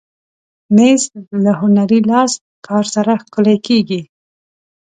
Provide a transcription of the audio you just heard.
مېز له هنري لاسکار سره ښکلی کېږي.